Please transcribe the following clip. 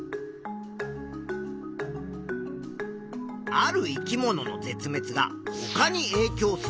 ある生き物の絶滅がほかにえいきょうする。